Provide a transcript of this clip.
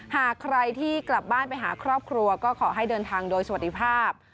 หากใครที่กลับบ้านไปหาครอบครัวก็ขอให้เดินทางโดยสวัสดีภาพ